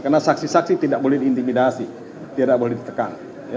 karena saksi saksi tidak boleh diintimidasi tidak boleh ditekan